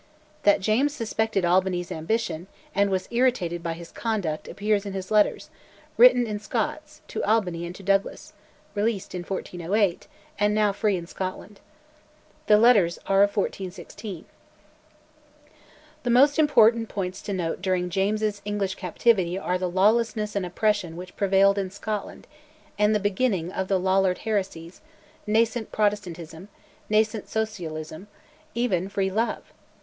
That James suspected Albany's ambition, and was irritated by his conduct, appears in his letters, written in Scots, to Albany and to Douglas, released in 1408, and now free in Scotland. The letters are of 1416. The most important points to note during James's English captivity are the lawlessness and oppression which prevailed in Scotland, and the beginning of Lollard heresies, nascent Protestantism, nascent Socialism, even "free love."